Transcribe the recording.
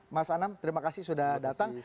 mas anam terima kasih sudah datang